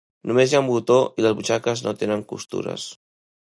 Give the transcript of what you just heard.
Només hi ha un botó i les butxaques no tenen costures.